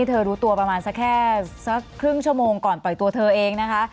รู้ตัวประมาณสักแค่สักครึ่งชั่วโมงก่อนปล่อยตัวเธอเองนะคะ